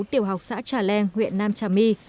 tiểu học xã trà len huyện nam trà my